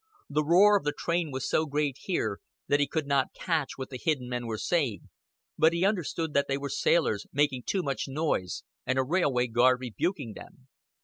The roar of the train was so great here that he could not catch what the hidden men were saying, but he understood that they were sailors making too much noise and a railway guard rebuking them.